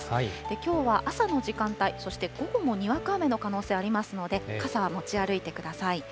きょうは朝の時間帯、そして午後もにわか雨の可能性ありますので、傘は持ち歩いてください。